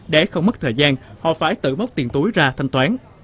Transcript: để không mất thời gian họ phải tự bóc tiền túi ra thanh toán